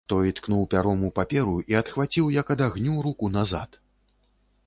Той ткнуў пяром у паперу і адхваціў, як ад агню, руку назад.